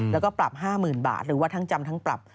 แล้วก็ปรับ๕๐๐๐บาทหรือว่าทั้งจำทั้งปรับ